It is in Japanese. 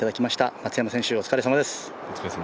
松山選手、お疲れさまです。